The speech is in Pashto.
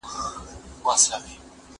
زه به سبا مړۍ پخه کړم!.